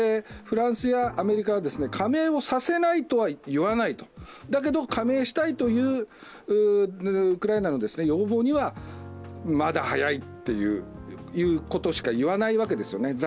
フランスやアメリカは、加盟はさせないとは言わない、だけど、加盟したいというウクライナの要望にはまだ早いということしか言わないわけですよね。